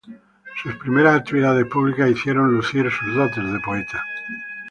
Sus primeras actividades públicas hicieron lucir sus dotes de poeta.